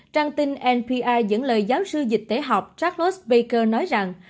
trang tin npr dẫn lời giáo sư dịch tế học charles baker nói rằng